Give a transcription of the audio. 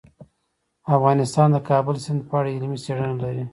افغانستان د د کابل سیند په اړه علمي څېړنې لري.